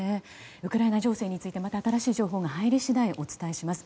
ウクライナ情勢についてまた新しい情報が入り次第お伝えします。